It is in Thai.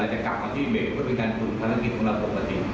จากเบฟส่วนเป็นการตรวจของเราปกติ